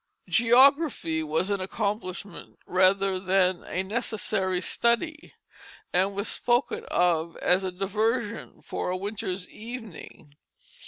Geography was an accomplishment rather than a necessary study, and was spoken of as a diversion for a winter's evening.